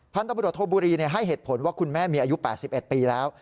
ตำรวจโทบุรีให้เหตุผลว่าคุณแม่มีอายุ๘๑ปีแล้ว